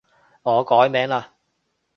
我改名嘞